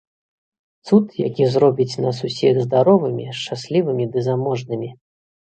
Цуд, які зробіць нас усіх здаровымі, шчаслівымі ды заможнымі.